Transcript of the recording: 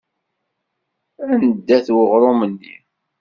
Anda-t uɣrum-nni?